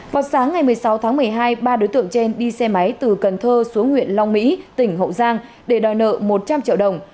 vào sáng ngày một mươi sáu tháng một mươi hai ba đối tượng trên đi xe máy từ cần thơ xuống huyện long mỹ tỉnh hậu giang để đòi nợ một trăm linh triệu đồng